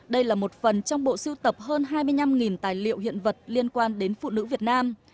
đây là một phần trong bộ siêu tập hơn hai mươi năm tài liệu hiện vật liên quan đến phụ nữ việt nam